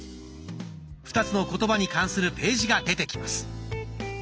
２つの言葉に関するページが出てきます。